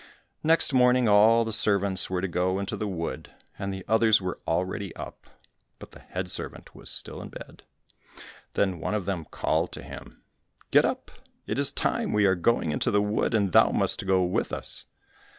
Next morning all the servants were to go into the wood, and the others were already up, but the head servant was still in bed. Then one of them called to him, "Get up, it is time; we are going into the wood, and thou must go with us."